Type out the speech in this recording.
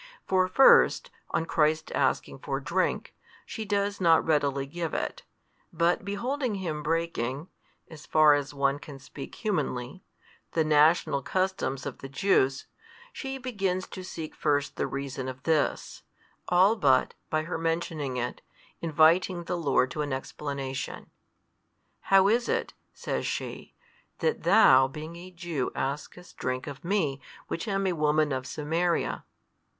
For first, on Christ asking for drink, she does not readily give it: but beholding Him breaking (as far as one can speak |220 humanly) the national customs of the Jews, she begins to seek first the reason of this, all but, by her mentioning it, inviting the Lord to an explanation: How is it (says she) that THOU being a Jew askest drink of me which am a woman of Samaria?